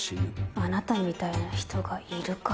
あなたみたいな人がいるから。